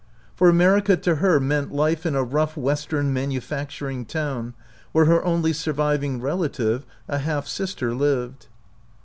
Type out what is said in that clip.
For America to her meant life in a rough West ern manufacturing town, where her only surviving relative, a half sister, lived.